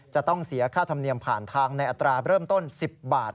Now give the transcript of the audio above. จะต้องเสียค่าธรรมเนียมผ่านทางในอัตราเริ่มต้น๑๐บาท